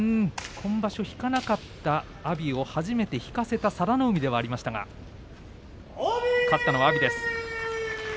今場所引かなかった阿炎を初めて引かせた佐田の海ではありましたが、勝ったのは阿炎です。